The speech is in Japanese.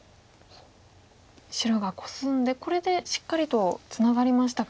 白がコスんでこれでしっかりとツナがりましたか。